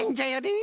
え！